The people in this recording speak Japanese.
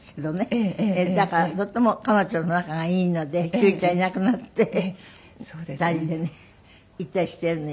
だからとっても彼女と仲がいいので九ちゃんいなくなって２人でね行ったりしてるのよ。